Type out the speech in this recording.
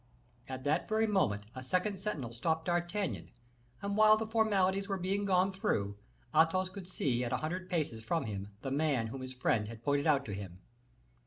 At that very moment a second sentinel stopped D'Artagnan, and while the formalities were being gone through, Athos could see at a hundred paces from him the man whom his friend had pointed out to him.